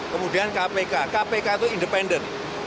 kemudian kpk kpk itu independen